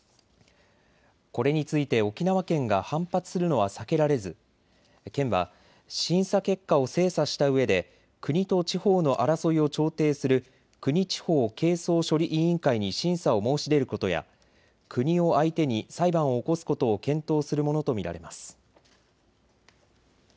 これについて沖縄県が反発するのは避けられず県は審査結果を精査したうえで国と地方の争いを調停する国地方係争処理委員会に審査を申し出ることや国を相手に裁判を起こすことを検討するものと見られます。